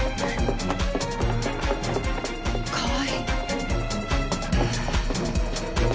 川合。